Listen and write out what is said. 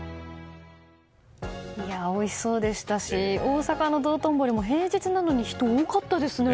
おいしそうでしたし大阪の道頓堀も平日なのに人が多かったですね。